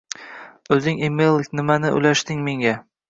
Uzing emai kiimai ulashding menga